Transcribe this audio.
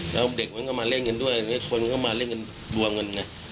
แล้วเด็กมันก็มาเล่นกันด้วยแล้วคนก็มาเล่นกันรวมกันไง